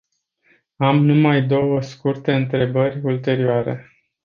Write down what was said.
Am numai două scurte întrebări ulterioare.